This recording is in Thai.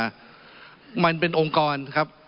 ขอบคุณครับขอบคุณครับขอบคุณครับ